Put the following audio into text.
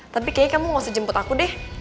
tapi kayaknya kamu gak usah jemput aku deh